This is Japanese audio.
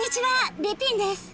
リピンです。